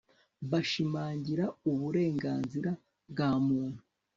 bushimangira uburenganzira bwa muntu